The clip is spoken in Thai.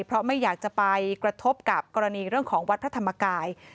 เพราะไม่อยากจะไปกระทบกับกรณีเรื่องของวัดพระธรรมกาย